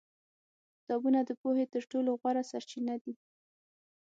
کتابونه د پوهې تر ټولو غوره سرچینه دي.